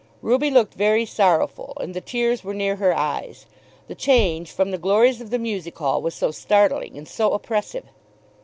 Ruby looked very sorrowful, and the tears were near her eyes. The change from the glories of the music hall was so startling and so oppressive!